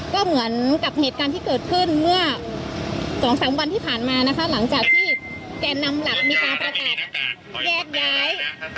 ก็เหมือนกับเหตุการณ์ที่เกิดขึ้นเมื่อ๒๓วันที่ผ่านมานะคะหลังจากที่แก่นำหลักมีการประกาศแยกย้าย